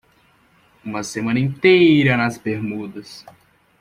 Uma semana inteira nas Bermudas.